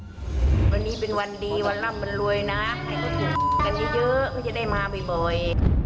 วันนี้เป็นวันดีวันร่ำวันรวยนะให้คนอื่นกันเยอะก็จะได้มาบ่อย